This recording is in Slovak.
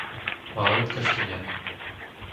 Malé Kršteňany